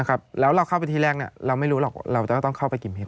นะครับแล้วเราเข้าไปที่แรกเนี้ยเราไม่รู้หรอกเราจะต้องเข้าไปกินเฮ็ด